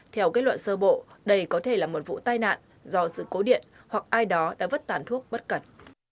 theo kết luận sơ bộ đây có thể là một vụ tai nạn do sự cố điện hoặc ai đó đã vứt tàn thuốc bất cẩn